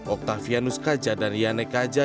oktavianus kaja dan yane kaja